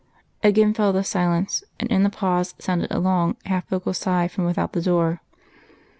_" Again fell the silence, and in the pause sounded a long half vocal sigh from without the door.